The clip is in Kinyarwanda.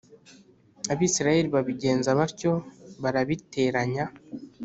Abisirayeli babigenza batyo barabiteranya